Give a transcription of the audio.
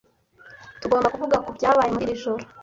Tugomba kuvuga kubyabaye muri iri joro.